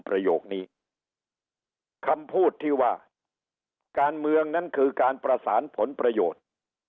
ประโยคนี้คำพูดที่ว่าการเมืองนั้นคือการประสานผลประโยชน์